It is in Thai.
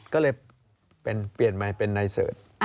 ก็เลยเปลี่ยนมาเป็นในเสิร์ธ